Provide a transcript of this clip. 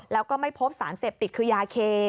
แล้วก็ไม่พบสารเสพติดคือยาเค